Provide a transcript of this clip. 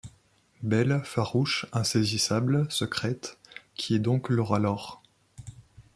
Belle, farouche, insaisissable, secrète, qui est donc Laura Laur?